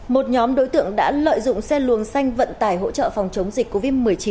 một nhóm đối tượng đã lợi dụng xe luồng xanh vận tải hỗ trợ phòng chống dịch covid một mươi chín